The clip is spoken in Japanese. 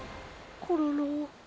コロロ。